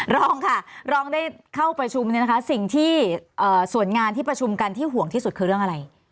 รองค่ะรองได้เข้าประชุมเนี่ยนะคะสิ่งที่ส่วนงานที่ประชุมกันที่ห่วงที่สุดคือเรื่องอะไร